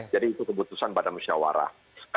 jadi itu keputusan badan musyawarah